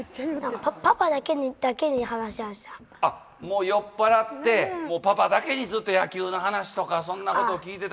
あっもう酔っぱらってパパだけにずっと野球の話とかそんなことを聞いてたんかな。